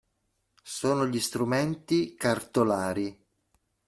Sono gli strumenti cartolari.